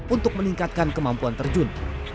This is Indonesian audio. untuk meningkatkan kemampuan terjun